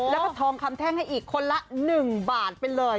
แล้วก็ทองคำแท่งให้อีกคนละ๑บาทไปเลย